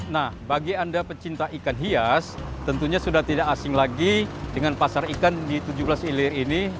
nah bagi anda pecinta ikan hias tentunya sudah tidak asing lagi dengan pasar ikan di tujuh belas ilir ini